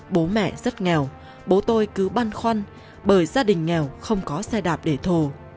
bố mẹ rất nghèo bố tôi cứ băn khoăn bởi gia đình nghèo không có xe đạp để thồ